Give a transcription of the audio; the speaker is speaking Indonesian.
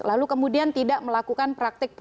lalu kemudian tidak melakukan praktik politik transaksional